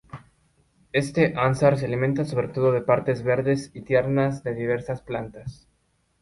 Este ánsar se alimenta sobre todo de partes verdes y tiernas de diversas plantas.